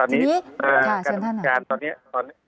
การรำการครองแสดงนะครับ